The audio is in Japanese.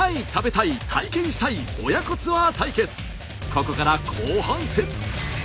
ここから後半戦。